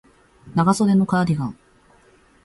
長袖のカーディガン